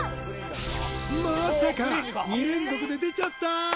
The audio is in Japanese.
まさか２連続で出ちゃったー！